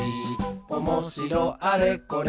「おもしろあれこれ